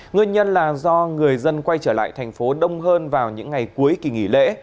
nguyên nhân là do người dân quay trở lại thành phố đông hơn vào những ngày cuối kỳ nghỉ lễ